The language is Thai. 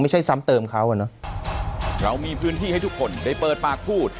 ซ้ำเติมเขาอ่ะเนอะเรามีพื้นที่ให้ทุกคนได้เปิดปากพูด